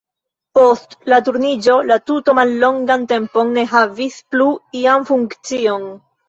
Post Turniĝo la tuto mallongan tempon ne havis plu ian funkcion.